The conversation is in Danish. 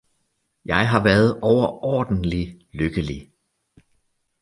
Jeg har været overordentlig lykkelig!